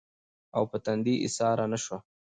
او پۀ تندې ايساره نۀ شوه